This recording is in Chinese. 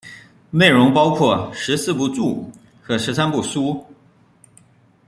内容包括十四部注和十三部疏。